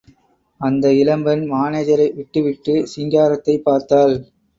அந்த இளம்பெண், மானேஜரை விட்டு விட்டு சிங்காரத்தைப் பார்த்தாள்.